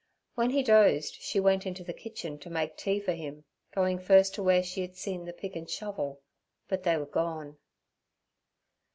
When he dozed she went into the kitchen to make tea for him, going first to where she had seen the pick and shovel—but they were gone.